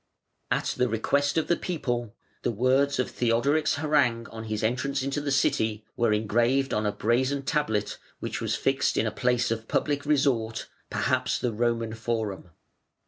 At the request of the people, the words of Theodoric's harangue on his entrance into the City were engraved on a brazen tablet, which was fixed in a place of public resort, perhaps the Roman Forum.